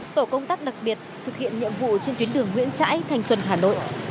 tổ công tác đặc biệt thực hiện nhiệm vụ trên tuyến đường nguyễn trãi thành xuân hà nội